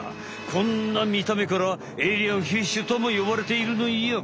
こんなみためからエイリアンフィッシュともよばれているのよ。